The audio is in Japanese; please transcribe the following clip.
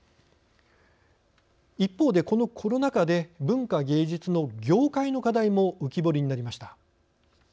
一方で、このコロナ禍で文化芸術の業界の課題も浮き彫りになりました。